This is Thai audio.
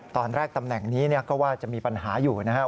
ตำแหน่งนี้ก็ว่าจะมีปัญหาอยู่นะครับ